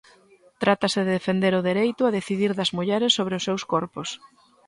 Trátase de defender o dereito a decidir das mulleres sobre os seus corpos.